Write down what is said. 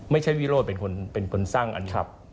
ไม่ใช่วิโรธเป็นคนสร้างอันขับ